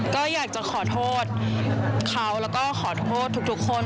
ก็อยากจะขอโทษเขาแล้วก็ขอโทษทุกคน